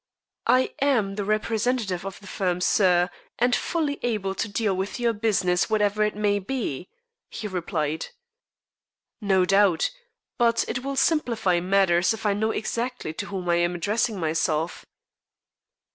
"I am the representative of the firm, sir, and fully able to deal with your business, whatever it may be," he replied. "No doubt. But it will simplify matters if I know exactly to whom I am addressing myself."